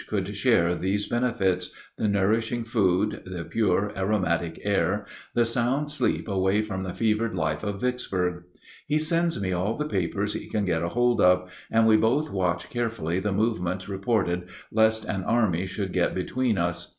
could share these benefits the nourishing food, the pure aromatic air, the sound sleep away from the fevered life of Vicksburg. He sends me all the papers he can get hold of, and we both watch carefully the movements reported lest an army should get between us.